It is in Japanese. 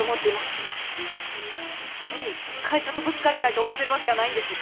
変に会社とぶつかりたいと思うてるわけやないんです。